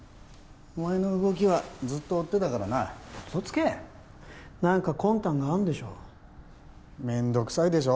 お前の動きはずっと追ってたからな嘘つけ何か魂胆があるんでしょめんどくさいでしょ